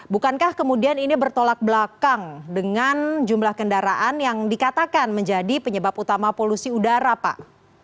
bukankah kemudian ini bertolak belakang dengan jumlah kendaraan yang dikatakan menjadi penyebab utama polusi udara pak